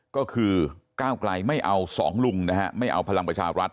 ก็คือก้าวไกลไม่เอาสองลุงนะฮะไม่เอาพลังประชารัฐ